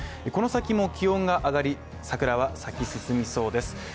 この先も気温が上がり桜は咲き進みそうです。